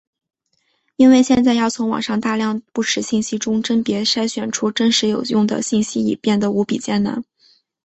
因为现在要从网上大量不实信息中甄别筛选出真实有用的信息已变的无比艰难。